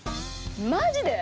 マジで？